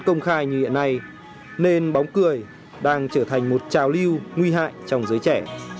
không khai như hiện nay nền bóng cười đang trở thành một trào lưu nguy hại trong giới trẻ